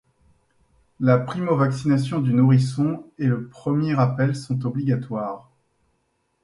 La primo-vaccination du nourrisson et le premier rappel sont obligatoires.